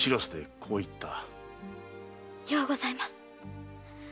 〔ようございます〕